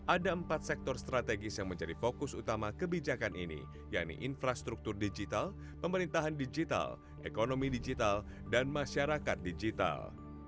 ada empat sektor strategis yang menjadi fokus utama kebijakan ini yaitu infrastruktur digital pemerintahan digital ekonomi digital dan masyarakat digital